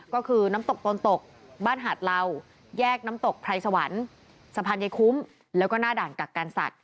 ก็คือน้ำตกตนตกบ้านหาดเหล่าแยกน้ำตกไพรสวรรค์สะพานใยคุ้มแล้วก็หน้าด่านกักกันสัตว